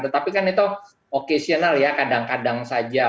tetapi kan itu occasional ya kadang kadang saja